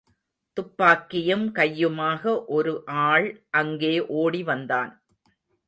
துப்பாக்கியும் கையுமாக ஒரு ஆள் அங்கே ஓடிவந்தான்.